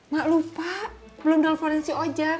mak lupa belum nelfonin si ojak